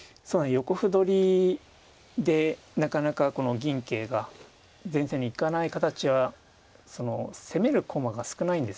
横歩取りでなかなか銀桂が前線に行かない形は攻める駒が少ないんですよね。